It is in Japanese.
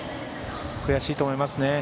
悔しいと思いますね。